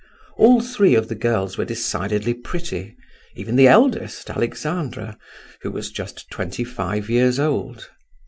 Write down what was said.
All three of the girls were decidedly pretty, even the eldest, Alexandra, who was just twenty five years old.